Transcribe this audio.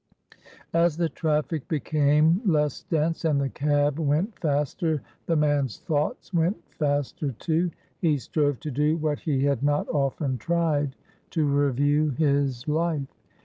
As the traffic became less dense, and the cab went faster, the man's thoughts went faster too. He strove to do what he had not often tried, to review his life.